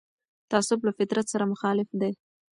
تعصب له فطرت سره مخالف دی